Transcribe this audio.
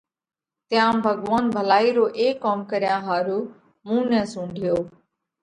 تيام ڀڳوونَ ڀلائِي رو اي ڪوم ڪريا ۿارُو مُون نئہ سُونڍيوھ۔